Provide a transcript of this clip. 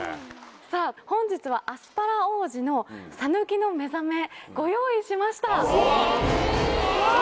本日はアスパラ王子の「さぬきのめざめ」ご用意しました！